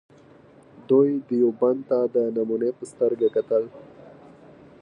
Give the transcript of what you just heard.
دوی دیوبند ته د نمونې په سترګه کتل.